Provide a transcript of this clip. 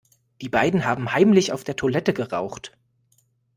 Die beiden haben heimlich auf der Toilette geraucht.